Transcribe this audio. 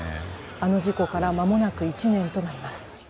あの事故から間もなく１年となります。